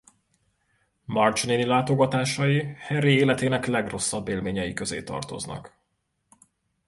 Marge néni látogatásai Harry életének legrosszabb élményei közé tartoznak.